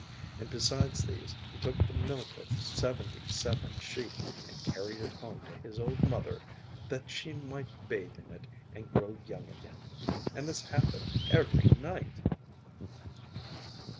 And besides these he took the milk of seventy seven sheep, and carried it home to his old mother, that she might bathe in it and grow young again. And this happened every night.